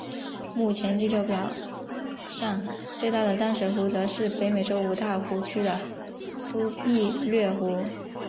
目前地表上最大的淡水湖则是北美洲五大湖区的苏必略湖。